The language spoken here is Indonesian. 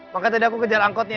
makanya tadi aku kejar angkotnya